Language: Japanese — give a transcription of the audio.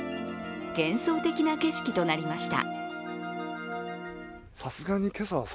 幻想的な景色となりました。